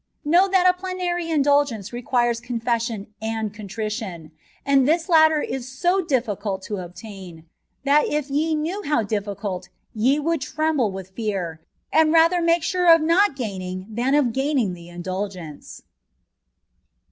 Know that a plenary indulgence requires confession and contrition ; and this latter is so dif fìcult to obtain, that if ye knew how difficult, ye would tremble with fear, and rather make sure of not gaining than of gaining the indulgence."